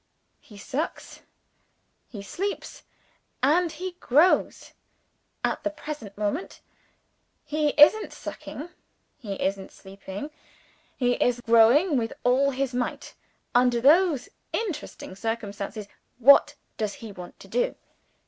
He sucks; he sleeps; and he grows. At the present moment, he isn't sucking, he isn't sleeping he is growing with all his might. Under those interesting circumstances, what does he want to do?